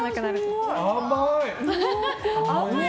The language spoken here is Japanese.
甘い！